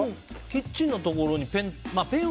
キッチンのところにペン。